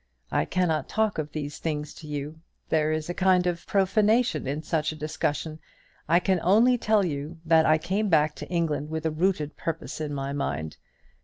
I cannot talk of these things to you. There is a kind of profanation in such a discussion. I can only tell you that I came back to England with a rooted purpose in my mind.